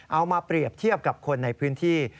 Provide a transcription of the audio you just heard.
เอามาเปรียบเทียบกับคนในพื้นที่